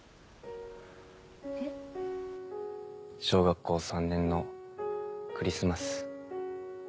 小学校３年のクリスマス。